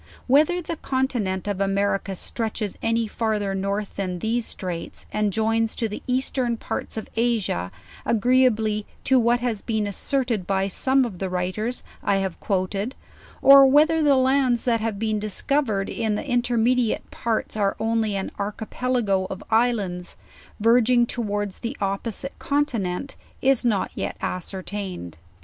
Whether the continent of America stretches any father north than these straights, and joins to the eastern parts of Asia agree ably to what iias been asserted by some of the writers I have quoted, or whether the lands that have been discovered in the intermediate parts are only an archipelago of islands, verg ing towards the opposite continent, is not yet ascertained.